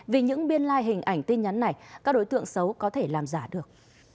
vì những biên lai hình ảnh tin nhắn này các đối tượng xấu có thể làm giả được